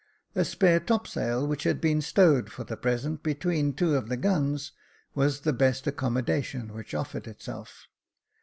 A spare top sail, which had been stowed for the present between two of the guns, was the best accommodation which offered itself.